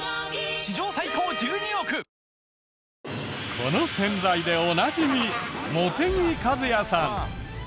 この洗剤でおなじみ茂木和哉さん。